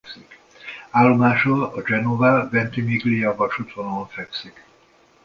Állomása a Genova-Ventimiglia vasútvonalon fekszik.